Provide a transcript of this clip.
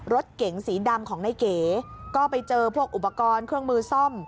รถเก๋งสีดำของนายเก๋ก็ไปเจอพวกอุปกรณ์เครื่องมือซ่อม